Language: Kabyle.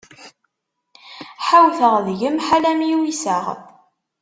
Ḥawteɣ deg-m ḥala mi uyseɣ.